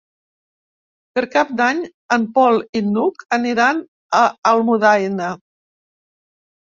Per Cap d'Any en Pol i n'Hug aniran a Almudaina.